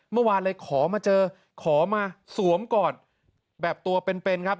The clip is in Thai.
เมื่อวานเลยขอมาเจอขอมาสวมกอดแบบตัวเป็นเป็นครับ